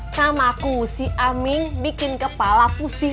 sama aku si aming bikin kepala pusing